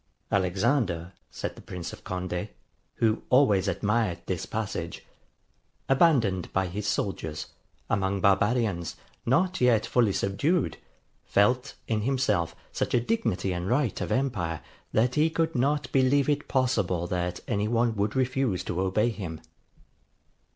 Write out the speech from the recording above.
'Alexander,' said the Prince of Conde, who always admired this passage, 'abandoned by his soldiers, among barbarians, not yet fully subdued, felt in himself such a dignity and right of empire, that he could not believe it possible that any one would refuse to obey him.